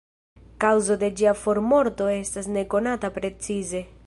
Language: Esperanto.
Kaŭzo de ĝia formorto estas ne konata precize.